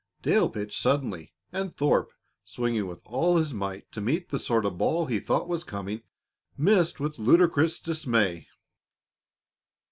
Dale pitched suddenly, and Thorpe, swinging with all his strength to meet the sort of ball he thought was coming, missed, with ludicrous dismay.